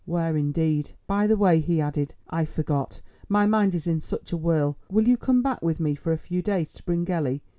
(where indeed!) "By the way," he added, "I forgot; my mind is in such a whirl. Will you come back with me for a few days to Bryngelly?